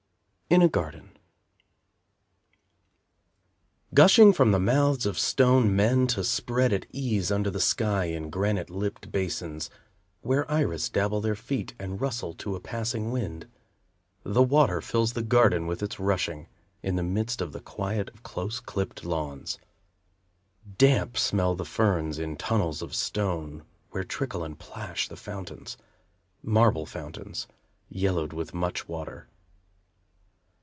In a Garden Gushing from the mouths of stone men To spread at ease under the sky In granite lipped basins, Where iris dabble their feet And rustle to a passing wind, The water fills the garden with its rushing, In the midst of the quiet of close clipped lawns. Damp smell the ferns in tunnels of stone, Where trickle and plash the fountains, Marble fountains, yellowed with much water.